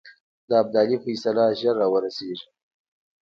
د ابدالي فیصله ژر را ورسېږي.